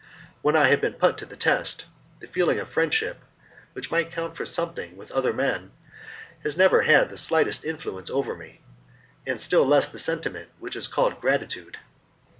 When I have been put to the test, the feeling of friendship, which might count for something with other men, has never had the slightest influence over me, and still less the sentiment which is called gratitude.